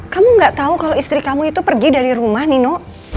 kamu nggak tahu kalau istri kamu itu pergi dari rumah nino